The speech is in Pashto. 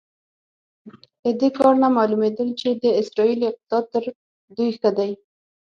له دې کار نه معلومېدل چې د اسرائیلو اقتصاد تر دوی ښه دی.